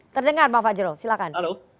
terdengar bang fajrul silakan